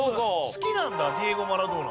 好きなんだディエゴ・マラドーナ。